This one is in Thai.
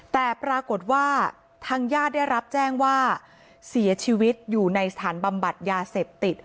แต่ปรากฏว่าทางญาติได้รับแจ้งว่าเสียชีวิตอยู่ในสถานบำบัดยาเสพติด